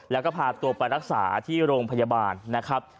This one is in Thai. แล้วก็พาตัวไปรักษาที่โรงพยาบาลนะครับ